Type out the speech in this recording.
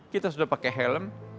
kita sudah pakai helm